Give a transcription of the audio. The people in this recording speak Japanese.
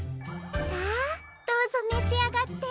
さあどうぞめしあがって。